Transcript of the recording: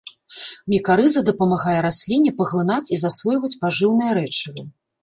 Мікарыза дапамагае расліне паглынаць і засвойваць пажыўныя рэчывы.